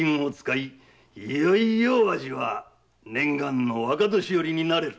いよいよわしは念願の若年寄になれる！